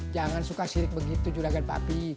jangan suka sirik begitu juragan bapi